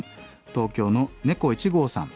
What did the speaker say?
東京の猫１号さん